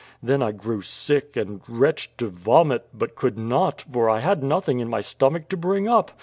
Then I grew sick, and retched to vomit, but could not, for I had nothing in my stomach to bring up.